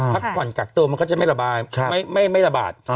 พักผ่อนกักเติมมันก็จะไม่ระบาด